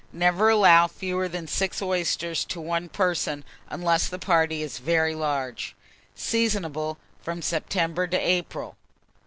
Never allow fewer than 6 oysters to 1 person, unless the party is very large. Seasonable from September to April.